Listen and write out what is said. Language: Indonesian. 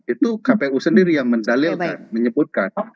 itu kpu sendiri yang mendalilkan menyebutkan